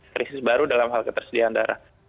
krisis baru dalam hal ketersediaan darah